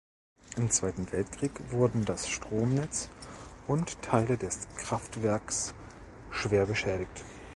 Im Zweiten Weltkrieg wurden das Stromnetz und Teile des Kraftwerks schwer beschädigt.